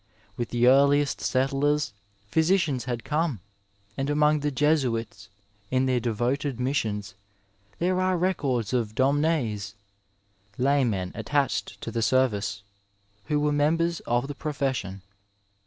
With the earliest settlers physicians had come, and among the Jesuits, in their devoted missionB^ there are records of donnis (laymen attached to the service), who were members of the profession.